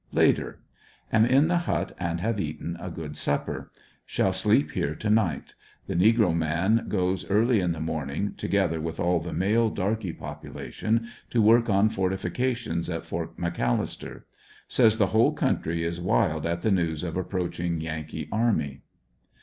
Later. — Am in the hut and have eaten a good supper. Shall sleep hereto night. The negro man goes early in the morning, together with all the male darky population, to work on fortifications at Fort McAllister. Says the whole country is wild at the news of approaching Yankee army.